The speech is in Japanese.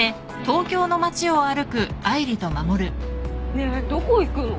ねえどこ行くの？